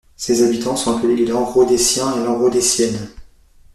Ses habitants sont appelés les Lanrodéciens et Lanrodéciennes.